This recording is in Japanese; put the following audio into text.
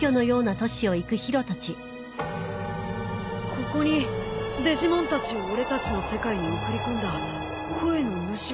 ここにデジモンたちを俺たちの世界に送り込んだ声の主が？